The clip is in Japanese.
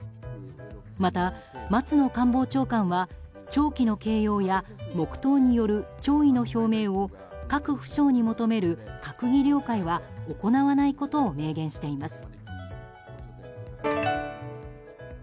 また、松野官房長官は弔旗の掲揚や黙祷による弔意の表明を各府省に求める閣議了解は行わないことを明言しています。